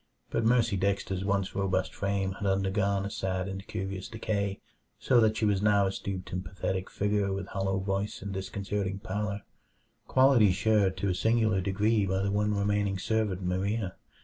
But Mercy Dexter's once robust frame had undergone a sad and curious decay, so that she was now a stooped and pathetic figure with hollow voice and disconcerting pallor qualities shared to a singular degree by the one remaining servant Maria.